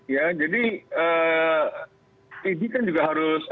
ya jadi idi kan juga harus